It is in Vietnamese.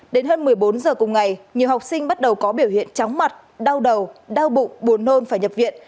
đến hơn một mươi bốn giờ cùng ngày nhiều học sinh bắt đầu có biểu hiện chóng mặt đau đầu đau bụng buồn nôn phải nhập viện